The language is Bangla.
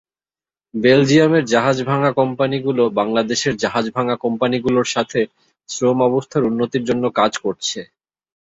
বেলজিয়ামের জাহাজ ভাঙ্গা কোম্পানিগুলো বাংলাদেশের জাহাজ ভাঙ্গা কোম্পানিগুলোর সাথে শ্রম অবস্থার উন্নতির জন্য কাজ করছে।